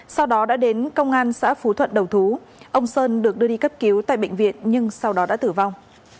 sau đó đã đến công an xã phú thuận đầu thú ông sơn được đưa đi cấp cứu tại bệnh viện nhưng sau đó đã tử vong